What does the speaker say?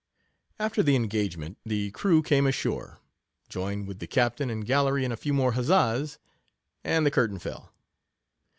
After the engagement the crew came ashore, joined with the captain and gallery in a few more huzzas, and the curtain fell.